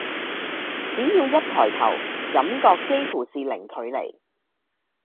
只要一抬頭，感覺幾乎是零距離